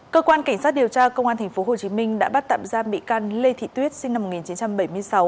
cơ quan cảnh sát điều tra công an tp hcm đã bắt tạm giam bị can lê thị tuyết sinh năm một nghìn chín trăm bảy mươi sáu